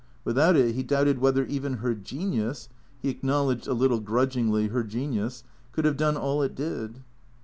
Without it, he doubted whether even her genius (he acknowl edged, a little grudgingly, her genius) could have done all it did.